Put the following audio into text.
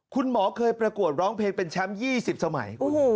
คุณหมอเคยประกวดร้องเพลงเป็นแชมป์๒๐สมัย